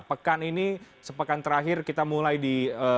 pekan ini sepekan terakhir kita mulai di